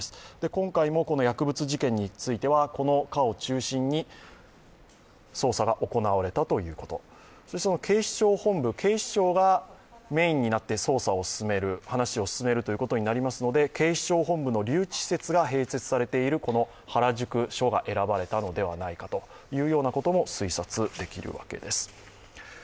今回もこの薬物事件については、この課を中心に捜査が行われたということ、警視庁本部、警視庁が警視庁がメインになって捜査、話を進めるということになりますので警視庁本部の留置施設が併設されている、この原宿署が選ばれたのではないかということも推察できるわけです。